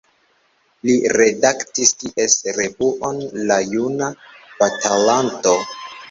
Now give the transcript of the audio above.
Li redaktis ties revuon La Juna Batalanto.